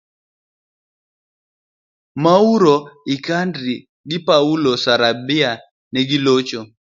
Muaro Icardi gi Pablo Sarabia negilocho